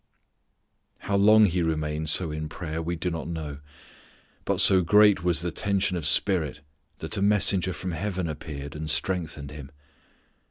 How long He remained so in prayer we do not know, but so great was the tension of spirit that a messenger from heaven appeared and strengthened Him.